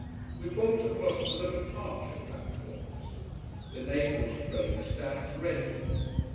We bolt across to the departure platforms. The Naples train stands ready.